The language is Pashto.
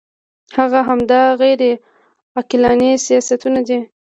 هغه همدا غیر عقلاني سیاستونه دي.